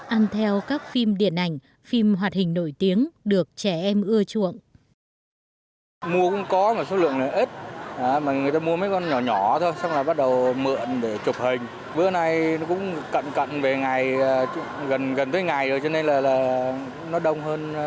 ăn theo các phim điện ảnh phim hoạt hình nổi tiếng được trẻ em ưa chuộng